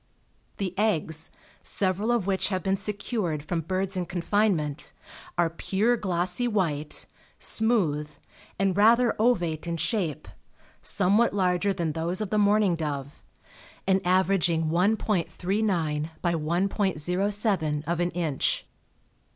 The eggs, several of which have been secured from birds in confinement, are pure glossy white, smooth, and rather ovate in shape, somewhat larger than those of the mourning dove, and averaging 1.39 × 1.07 of an inch.